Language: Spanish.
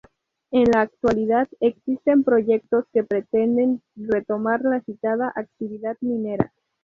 En la actualidad existen proyectos que pretenden retomar la citada actividad minera.